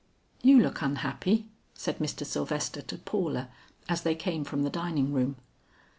"You look unhappy," said Mr. Sylvester to Paula as they came from the dining room.